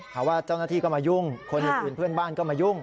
หาว่าเจ้าหน้าที่ก็มายุ่งคนอื่นเพื่อนบ้านก็มายุ่ง